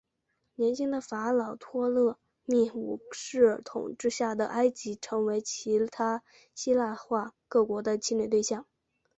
年轻的法老托勒密五世统治下的埃及成为其他希腊化各国的侵略对象。